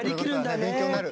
勉強になる。